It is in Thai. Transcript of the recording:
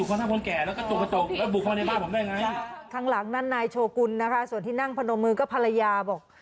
ข้างหลังนั้นนายโชกุลนะคะส่วนที่นั่งพนมมือก็ภรรยาบอก